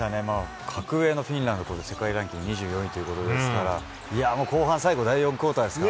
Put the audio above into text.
格上のフィンランド、世界ランキング２４位ということですから、いやもう、後半最後、第４クオーターですか。